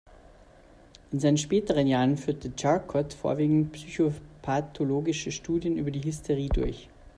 In seinen späteren Jahren führte Charcot vorwiegend psychopathologische Studien über die Hysterie durch.